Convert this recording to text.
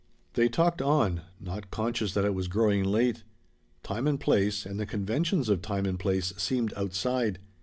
They talked on, not conscious that it was growing late. Time and place, and the conventions of time and place, seemed outside.